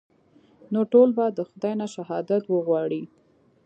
نو ټول به د خداى نه شهادت وغواړئ.